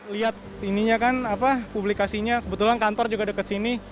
lihat ininya kan publikasinya kebetulan kantor juga dekat sini